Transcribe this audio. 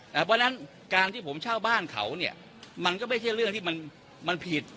เพราะฉะนั้นการที่ผมเช่าบ้านเขาเนี่ยมันก็ไม่ใช่เรื่องที่มันผิด